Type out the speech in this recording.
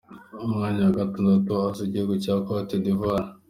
Umwanya wa gatandatu haza igihugu cya Cote d’Ivoire.